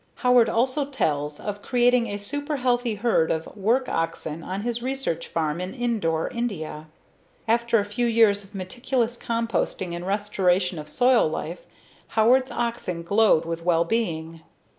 Howard also tells of creating a super healthy herd of work oxen on his research farm at Indore, India. After a few years of meticulous composting and restoration of soil life, Howard's oxen glowed with well being.